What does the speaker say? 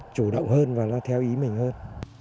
chủ động hơn và nó theo ý mình hơn